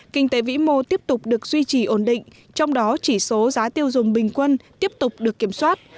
kinh tế vĩ mô tiếp tục được duy trì ổn định trong đó chỉ số giá tiêu dùng bình quân tiếp tục được kiểm soát